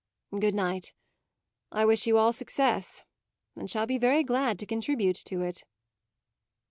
"Good night! I wish you all success, and shall be very glad to contribute to it!"